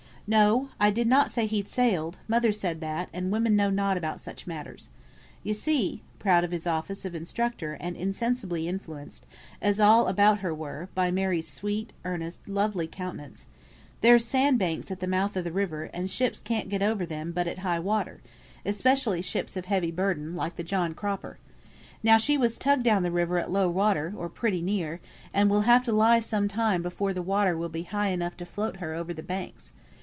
"No! I did not say he'd sailed; mother said that, and women know nought about such matters. You see" (proud of his office of instructor, and insensibly influenced, as all about her were, by Mary's sweet, earnest, lovely countenance) "there's sand banks at the mouth of the river, and ships can't get over them but at high water; especially ships of heavy burden, like the John Cropper. Now, she was tugged down the river at low water, or pretty near, and will have to lie some time before the water will be high enough to float her over the banks.